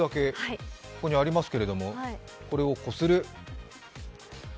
ここにありますけどこれをこする。